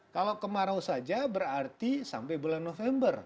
kalau kemarau saja berarti sampai bulan november